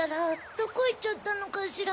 どこいっちゃったのかしら。